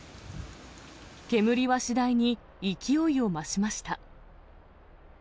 煙は次第に勢いを増しました。